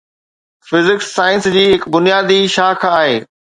physics science جي هڪ بنيادي شاخ آهي